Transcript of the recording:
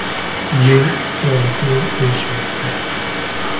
Wê xweha te bê şimik be.